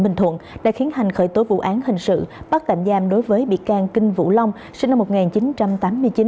bình thuận đã khiến hành khởi tối vụ án hình sự bắt tạm giam đối với bị can kinh vũ long sinh năm